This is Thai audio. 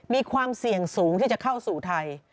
มีความเสี่ยงสูงที่จะเข้าสู่ไทย